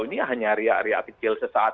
ini hanya ria ria kecil sesaat